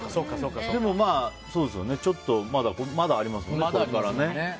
でも、まだありますもんねこれから。